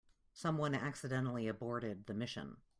Someone accidentally aborted the mission.